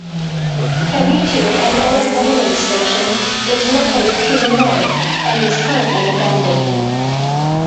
Kivitoo, an old whaling station, is located to the north and is currently abandoned.